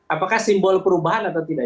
apakah simbol perubahan atau tidak